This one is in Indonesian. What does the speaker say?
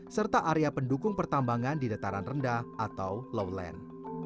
serta area pendukung pertambangan di dataran rendah atau lowland